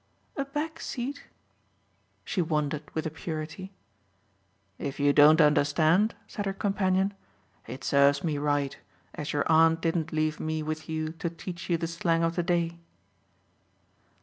"A back seat?" she wondered with a purity! "If you don't understand," said her companion, "it serves me right, as your aunt didn't leave me with you to teach you the slang of the day."